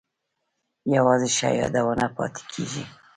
یوازې ښه یادونه پاتې کیږي؟